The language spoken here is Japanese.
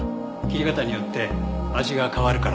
切り方によって味が変わるからって。